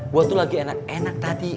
gue tuh lagi enak enak tadi